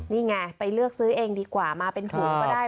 นี่ไงไปเลือกซื้อเองดีกว่ามาเป็นถุงก็ได้